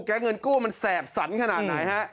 เงินกู้มันแสบสันขนาดไหนฮะ